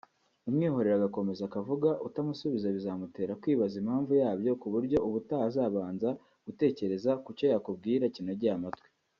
umwihorera agakomeza akavuga utamusubiza bizamutera kwibaza impamvu yabyo ku buryo ubutaha azabanza gutekereza ku cyo yakubwira kinogeye amatwi